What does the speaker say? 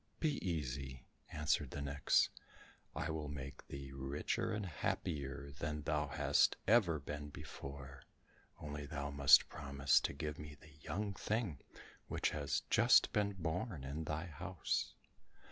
"Be easy," answered the nix, "I will make thee richer and happier than thou hast ever been before, only thou must promise to give me the young thing which has just been born in thy house."